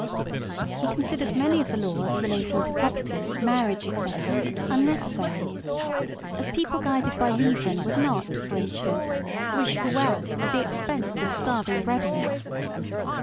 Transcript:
He con sidered many of the laws relating to property, marriage, &c., unnecessary, as people guided by reason would not, for instance, wish for wealth at the expense of starving brethren.